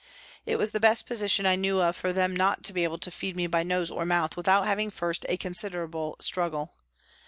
It was the best position I knew of for them not to be able to feed me by nose or mouth without having first a considerable struggle.